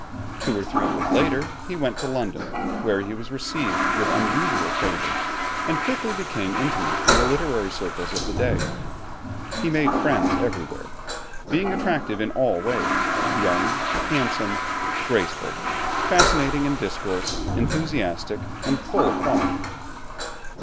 Two or three years later he went to London, where he was received with unusual favor and quickly became intimate in the literary circles of the day. He made friends everywhere, being attractive in all ways, young, handsome, graceful, fascinating in discourse, enthusiastic, and full of thought.